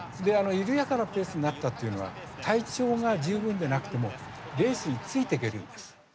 であの緩やかなペースになったっていうのは体調が十分でなくてもレースについていけるんです。